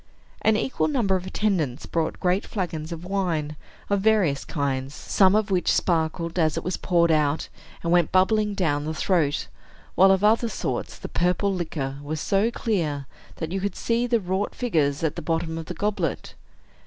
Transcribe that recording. An equal number of attendants brought great flagons of wine, of various kinds, some of which sparkled as it was poured out, and went bubbling down the throat; while, of other sorts, the purple liquor was so clear that you could see the wrought figures at the bottom of the goblet.